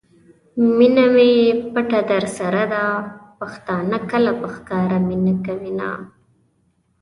مینه می پټه درسره ده ؛ پښتانه کله په ښکاره مینه کوینه